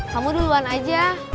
kamu duluan aja